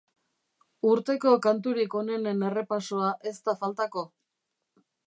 Urteko kanturik onenen errepasoa ez da faltako.